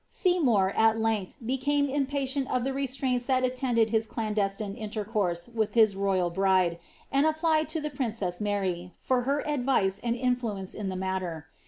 Seymour at length became impatient of the restraints that attended his clandestine intercourse with his royal bride, and applied to the princesi 3Iary, for her advice and iniluence in the matter.